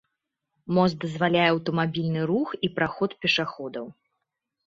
Мост дазваляе аўтамабільны рух і праход пешаходаў.